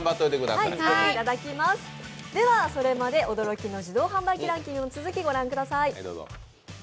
では、それまで驚きの自動販売機ランキングの続きを御覧ください。